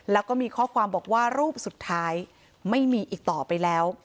แล้วก็มีข้อความบอกว่ารูปสุดท้ายไม่มีอีกต่อไปแล้ว